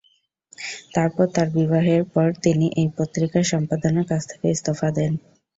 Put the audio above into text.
তারপর তাঁর বিবাহের পর তিনি এই পত্রিকা সম্পাদনার কাজ থেকে ইস্তফা দেন।